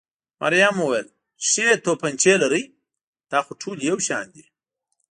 مريم وویل: ښې تومانچې لرئ؟ دا خو ټولې یو شان دي.